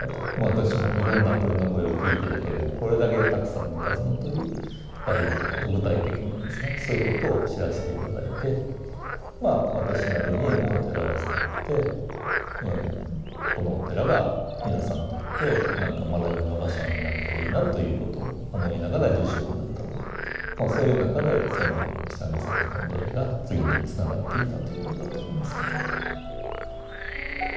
私もいろんな鳥の声は聞いていたけれどもこれだけたくさんの数の鳥がいるのかと具体的にはですねそういうことを知らせて頂いて私なりにお寺を預かってこのお寺が皆さんにとって何か学びの場所になったらいいなということを思いながら住職になったのでそういう中で久山さんとの出会いが次につながっていったということだと思いますけど。